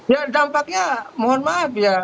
ya dampaknya mohon maaf ya